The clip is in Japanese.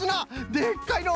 でっかいのう！